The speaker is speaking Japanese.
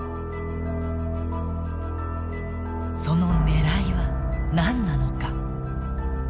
その狙いは何なのか。